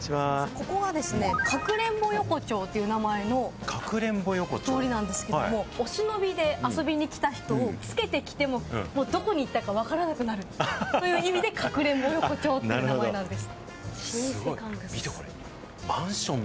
ここは、かくれんぼ横丁という名前の通りなんですけれども、お忍びで来た人につけてきても、どこに行ったかわからなくなるという意味でかくれんぼ横丁という名前なんです。